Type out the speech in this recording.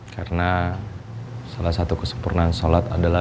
karena salah satu kesempurnaan sholat adalah